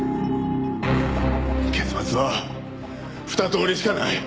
結末は２通りしかない。